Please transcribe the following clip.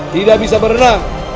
tidak bisa berenang